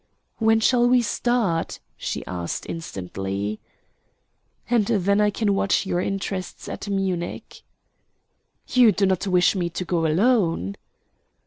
"When shall we start?" she asked instantly. "And then I can watch your interests at Munich." "You do not wish me to go alone?"